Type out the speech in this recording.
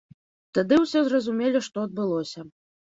Тады ўсе зразумелі, што адбылося.